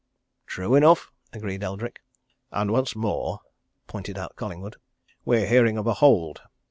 "True enough!" agreed Eldrick. "And once more," pointed out Collingwood. "We're hearing of a hold!